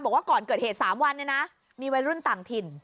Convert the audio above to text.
บอกว่าก่อนเกิดเหตุ๓วันเนี่ยนะมีวัยรุ่นต่างถิ่น